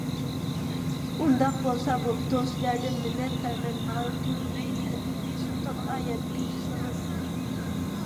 ئۇنداق بولسا بوپتۇ. سىلەردىن مىننەتدارمەن. مالال كۆرمەي تەلىپىمنى سۇلتانغا يەتكۈزسىڭىز.